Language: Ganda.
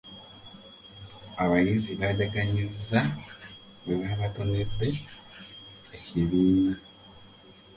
Abayizi bajaganyiza bwe babatonedde ekibiina